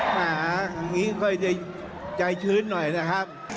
หาอย่างนี้ค่อยจะใจชื้นหน่อยนะครับ